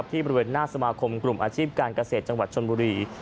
บริเวณหน้าสมาคมกลุ่มอาชีพการเกษตรจังหวัดชนบุรี